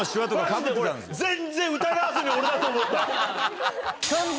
マジでこれ全然疑わずに俺だと思った。